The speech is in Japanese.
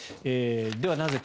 では、なぜか。